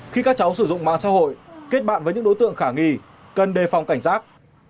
khi các cháu sử dụng mạng xã hội kết bạn với những đối tượng khả nghi cần đề phòng cảnh giác